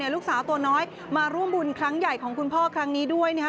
ลูกสาวตัวน้อยมาร่วมบุญครั้งใหญ่ของคุณพ่อครั้งนี้ด้วยนะครับ